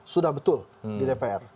sudah betul di dpr